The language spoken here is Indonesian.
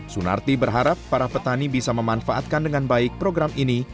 sunarti berharap para petani bisa memanfaatkan dengan baik program ini